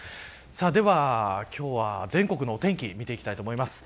では今日は、全国のお天気見ていきたいと思います。